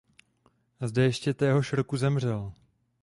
Zde ještě téhož roku zemřel.